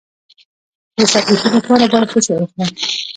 د سرګیچي لپاره باید څه شی وڅښم؟